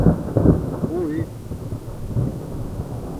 Ohé!